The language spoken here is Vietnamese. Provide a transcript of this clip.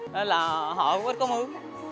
nên là họ cũng ít có mướn